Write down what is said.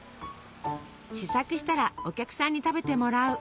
試作したらお客さんに食べてもらう。